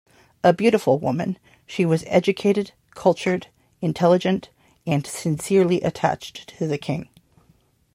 A beautiful woman, she was educated, cultured, intelligent, and sincerely attached to the king.